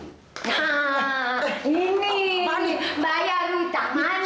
nah ini bayar rita